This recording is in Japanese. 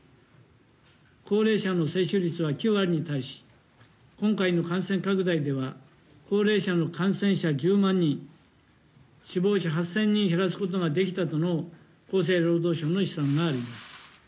高齢者の接種率は９割に達し、今回の感染拡大では、高齢者の感染者１０万人、死亡者８０００人減らすことができたとの厚生労働省の試算があります。